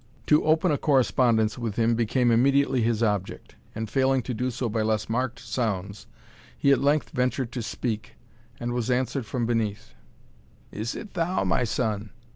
To open a correspondence with him became immediately his object, and failing to do so by less marked sounds, he at length ventured to speak, and was answered from beneath "Is it thou, my son?"